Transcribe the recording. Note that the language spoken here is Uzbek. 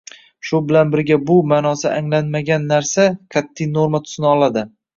Shu bilan birga bu – ma’nosi anglanmagan narsa – qat’iy norma tusini oladi